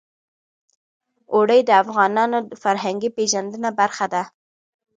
اوړي د افغانانو د فرهنګي پیژندنې برخه ده.